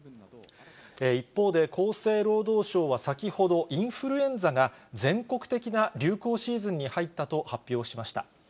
一方で、厚生労働省は先ほど、インフルエンザが全国的な流行シーズンに入ったと発表しました。